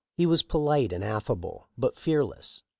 He was polite and affable, but fearless.